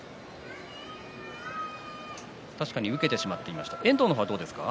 確かに受けてしまっていました、遠藤はどうですか。